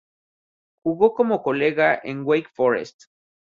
Jugo como colegial en Wake Forest.